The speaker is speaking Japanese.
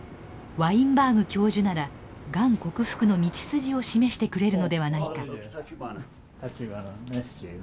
ワインバーグ教授ならがん克服の道筋を示してくれるのではないか。